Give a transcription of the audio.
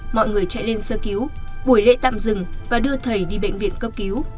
mọi người chạy lên sơ cứu buổi lễ tạm dừng và đưa thầy đi bệnh viện cấp cứu